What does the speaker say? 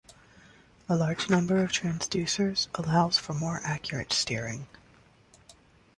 A large number of transducers allows for more accurate steering.